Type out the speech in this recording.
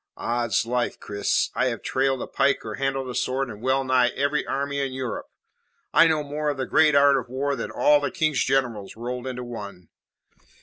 Oddslife, Cris, I have trailed a pike or handled a sword in well nigh every army in Europe. I know more of the great art of war than all the King's generals rolled into one.